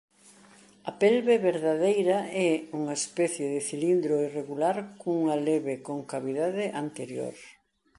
A pelve verdadeira é unha especie de cilindro irregular cunha leve concavidade anterior.